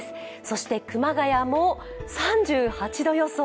そして熊谷も３８度予想。